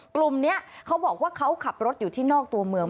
กลุ่มนี้เขาบอกว่าเขาขับรถอยู่ที่นอกตัวเมือง